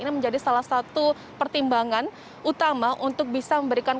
ini menjadi salah satu pertimbangan utama untuk bisa memberikan